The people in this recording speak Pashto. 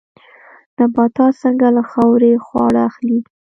نباتات څنګه له خاورې خواړه اخلي؟